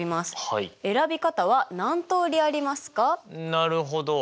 なるほど。